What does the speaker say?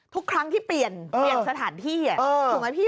ทุกครั้งที่เปลี่ยนเปลี่ยนสถานที่ถูกไหมพี่